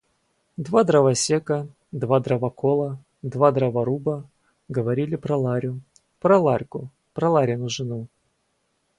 Два дровосека, два дровокола, два дроворуба говорили про Ларю, про Ларьку, про Ларину жену.